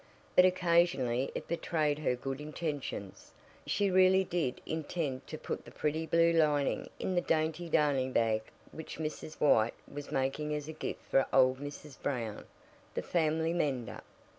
But occasionally it betrayed her good intentions. She really did intend to put the pretty blue lining in the dainty darning bag which Mrs. White was making as a gift for old Mrs. Brown, the family mender.